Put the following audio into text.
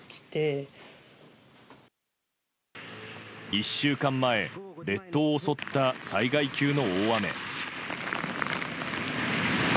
１週間前、列島を襲った災害級の大雨。